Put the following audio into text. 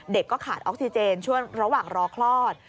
ก็ขาดออกซิเจนช่วงระหว่างรอคลอด